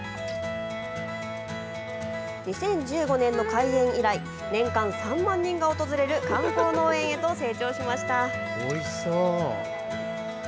２０１５年の開園以来年間３万人が訪れる観光農園へと成長しました。